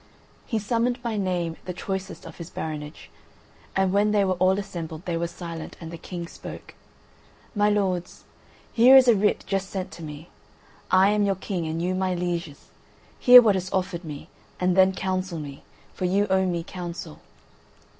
He summoned by name the choicest of his baronage, and when they were all assembled they were silent and the King spoke: "My lords, here is a writ, just sent me. I am your King, and you my lieges. Hear what is offered me, and then counsel me, for you owe me counsel."